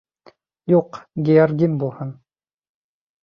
— Юҡ, георгин булһын!